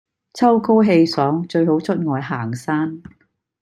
秋高氣爽最好出外行山